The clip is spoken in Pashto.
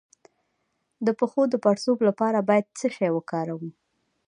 د پښو د پړسوب لپاره باید څه شی وکاروم؟